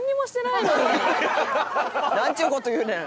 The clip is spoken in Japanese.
なんちゅう事言うねん！